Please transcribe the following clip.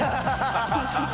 ハハハ ）